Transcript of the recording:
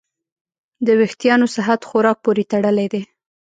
د وېښتیانو صحت خوراک پورې تړلی دی.